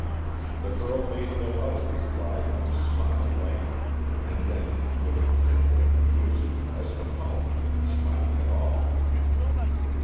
The girl made no other reply than to smile lightly, and then look intently at her music, as an apology for smiling at all.